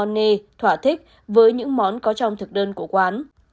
nê thỏa thích với những món có trong thực đơn của quán